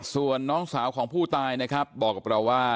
ส่วนน้องสาวของผู้ตายนะครับบอกกับเราว่า